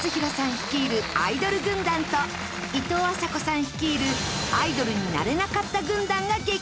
率いるアイドル軍団といとうあさこさん率いるアイドルになれなかった軍団が激突。